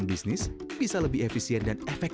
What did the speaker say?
terima kasih banyak